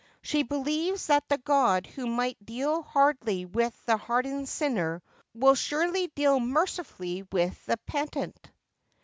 She believes that the God who might deal hardly with the hardened sinner will surely deal mercifully with the oenitent.